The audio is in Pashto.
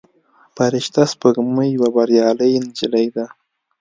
فرشته سپوږمۍ یوه بریالۍ نجلۍ ده.